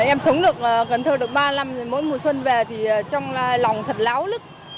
em sống được cần thơ được ba năm rồi mỗi mùa xuân về thì trong lòng thật láo lứt